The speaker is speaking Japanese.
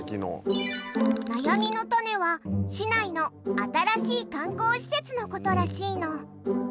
悩みのタネは市内の新しい観光施設のことらしいの。